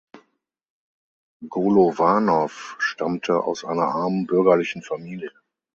Golowanow stammte aus einer armen bürgerlichen Familie.